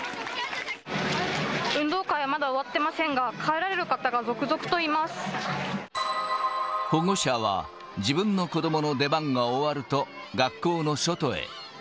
運動会はまだ終わってません保護者は、自分の子どもの出番が終わると、学校の外へ。